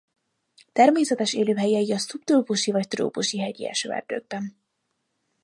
Természetes élőhelyei a szubtrópusi vagy trópusi hegyi esőerdőkben.